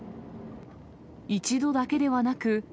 一度だけではなく。